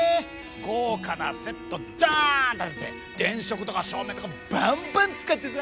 豪華なセットダン立てて電飾とか照明とかバンバン使ってさ！